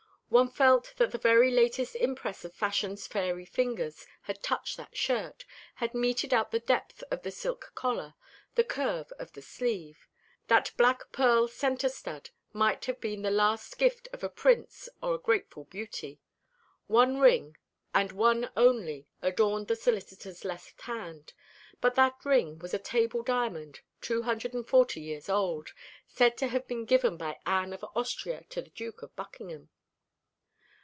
One felt that the very latest impress of Fashion's fairy fingers had touched that shirt, had meted out the depth of the silk collar, the curve of the sleeve. That black pearl centre stud might have been the last gift of a prince or a grateful beauty. One ring, and one only, adorned the solicitor's left hand; but that ring was a table diamond, two hundred and forty years old, said to have been given by Anne of Austria to the Duke of Buckingham.